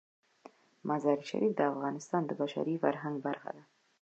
مزارشریف د افغانستان د بشري فرهنګ برخه ده.